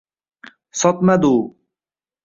Sotmadi u!